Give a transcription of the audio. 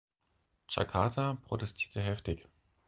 Jakarta protestierte heftig.